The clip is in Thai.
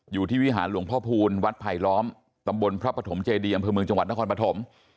วิหารหลวงพ่อพูลวัดไผลล้อมตำบลพระปฐมเจดีอำเภอเมืองจังหวัดนครปฐม